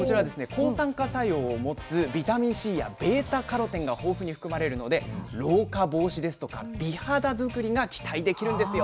抗酸化作用を持つビタミンＣやβ−カロテンが豊富に含まれるので老化防止ですとか美肌作りが期待できるんですよ。